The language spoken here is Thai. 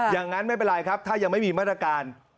อย่างนั้นไม่เป็นไรครับถ้ายังไม่มีมาตรการ